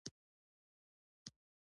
د ریګ او جغل استخراج کیږي